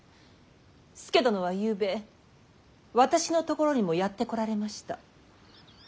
佐殿はゆうべ私のところにもやって来られました。